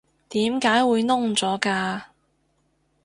點解會燶咗㗎？